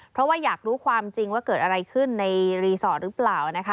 เพราะว่าอยากรู้ความจริงว่าเกิดอะไรขึ้นในรีสอร์ทหรือเปล่านะคะ